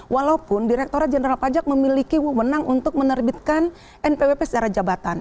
walaupun direkturat jenderal pajak memiliki wewenang untuk menerbitkan npwp secara jabatan